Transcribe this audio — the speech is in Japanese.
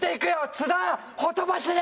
津田ほとばしれ！